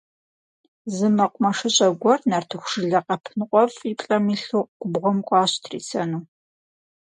Зы мэкъумэшыщӀэ гуэр нартыху жылэ къэп ныкъуэфӀ и плӀэм илъу губгъуэм кӀуащ трисэну.